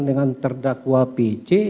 dengan terdakwa pc